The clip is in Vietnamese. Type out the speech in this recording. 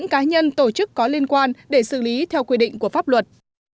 cả nhân tổ chức có liên quan để xử lý theo quy định của pháp luật